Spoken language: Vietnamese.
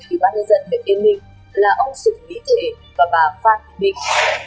trường văn dũng sáu mươi bốn tuổi quận bốn nga hà nội đã gửi tổng hợp tùy động các hợp đồng